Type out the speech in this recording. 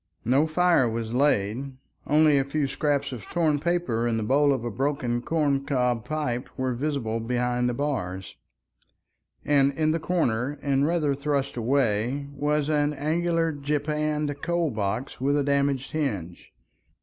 No fire was laid, only a few scraps of torn paper and the bowl of a broken corn cob pipe were visible behind the bars, and in the corner and rather thrust away was an angular japanned coal box with a damaged hinge.